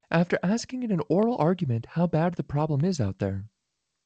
After asking in oral argument, how bad the problem is out there?